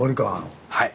はい。